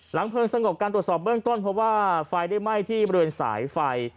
เพลิงสงบการตรวจสอบเบื้องต้นเพราะว่าไฟได้ไหม้ที่บริเวณสายไฟ